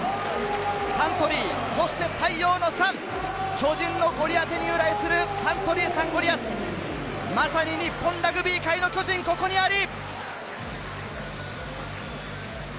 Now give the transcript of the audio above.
サントリー、そして太陽のサン、サントリーサンゴリアス、まさに日本ラグビー界の巨人、ここにあり！